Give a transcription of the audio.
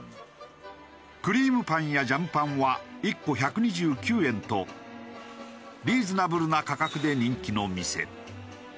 クリームパンやジャムパンは１個１２９円とリーズナブルな価格で人気の店。